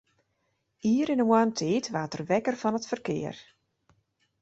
Ier yn 'e moarntiid waard er wekker fan it ferkear.